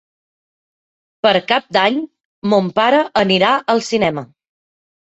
Per Cap d'Any mon pare anirà al cinema.